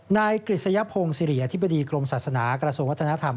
นายกฤษยพงศิริอธิบดีกรมศาสนากระทรวงวัฒนธรรม